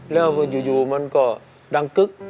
แล้วอยู่มันก็ดังกึ๊ก